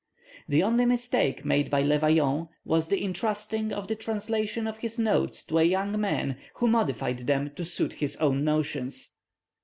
The only mistake made by Le Vaillant was the entrusting of the translation of his notes to a young man who modified them to suit his own notions.